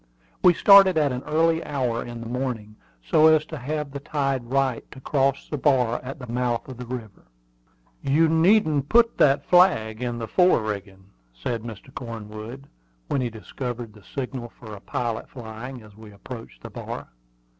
We started at an early hour in the morning, so as to have the tide right to cross the bar at the mouth of the river. "You needn't put that flag in the fore rigging," said Mr. Cornwood, when he discovered the signal for a pilot flying, as we approached the bar.